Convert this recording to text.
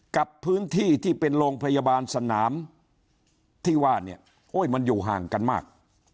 กับพื้นที่ที่เป็นโรงพยาบาลสนามที่ว่าเนี่ยโอ้ยมันอยู่ห่างกันมาก